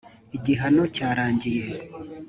igihano cyarangiye.